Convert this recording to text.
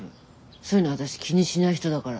そういうの私気にしない人だから。